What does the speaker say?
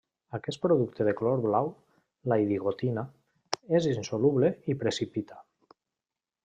Aquest producte de color blau, la indigotina, és insoluble i precipita.